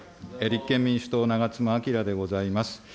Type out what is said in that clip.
立憲民主党、長妻昭でございます。